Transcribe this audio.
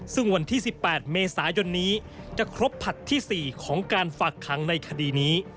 ซึ่งวันที่๑๘เมษายนนี้จะครบผลัดที่๔ของการฝากขังในคดีนี้